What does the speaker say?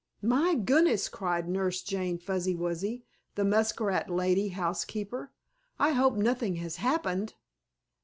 "My goodness!" cried Nurse Jane Fuzzy Wuzzy, the muskrat lady housekeeper. "I hope nothing has happened!"